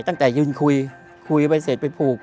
ตั้งแต่ยืนคุยคุยไปเสร็จไปผูก